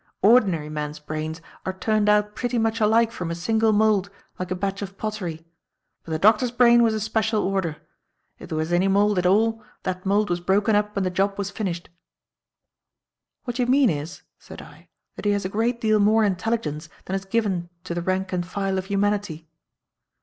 Ordinary men's brains are turned out pretty much alike from a single mould, like a batch of pottery. But the Doctor's brain was a special order. If there was any mould at all, that mould was broken up when the job was finished." "What you mean is," said I, "that he has a great deal more intelligence than is given to the rank and file of humanity."